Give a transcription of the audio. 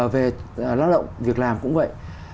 về lao động việc làm cũng vậy